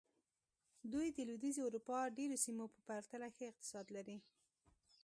دوی د لوېدیځې اروپا ډېرو سیمو په پرتله ښه اقتصاد لري.